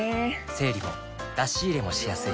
整理も出し入れもしやすい